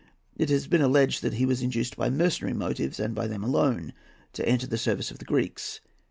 It has been alleged that he was induced by mercenary motives, and by them alone, to enter the service of the Greeks.